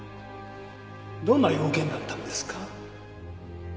どんな用件だったんですか？